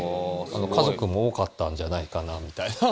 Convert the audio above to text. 家族も多かったんじゃないかなみたいな。